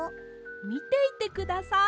みていてください。